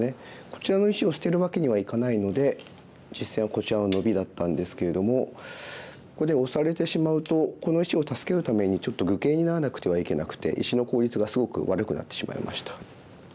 こちらの石を捨てるわけにはいかないので実戦はこちらのノビだったんですけれどもここでオサれてしまうとこの石を助けるためにちょっと愚形にならなくてはいけなくて石の効率がすごく悪くなってしまいました。